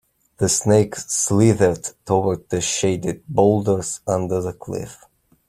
The snake slithered toward the shaded boulders under the cliff.